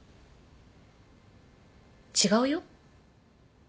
違うよ。